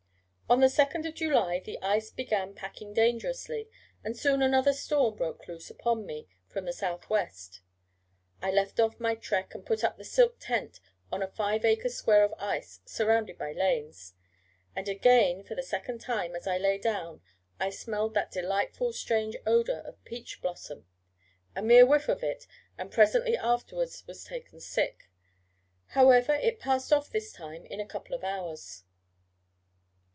On the 2nd July the ice began packing dangerously, and soon another storm broke loose upon me from the S.W. I left off my trek, and put up the silk tent on a five acre square of ice surrounded by lanes: and again for the second time as I lay down, I smelled that delightful strange odour of peach blossom, a mere whiff of it, and presently afterwards was taken sick. However, it passed off this time in a couple of hours.